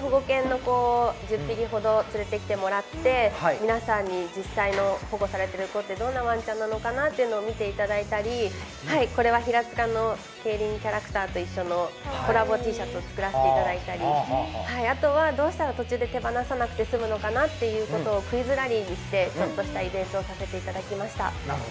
実際に保護犬の保護を１０匹ほど連れてきてもらって、皆さんに実際に保護されてる子ってどんなワンちゃんなのかなっていうのを見ていただいたり、これは平塚の競輪キャラクターと一緒のコラボＴシャツを作らせていただいたり、あとはどうしたら途中で手放さなくて済むのかなっていうのをクイズラリーにして、イベントをさせていただきました。